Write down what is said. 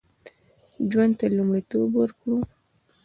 ژوند ته لومړیتوب ورکړو